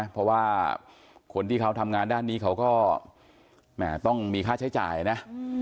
เพราะว่าคนที่เขาทำงานด้านนี้เขาก็ต้องมีค่าใช้จ่ายนะ